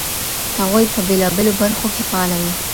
هغوی په بېلابېلو برخو کې فعاله وې.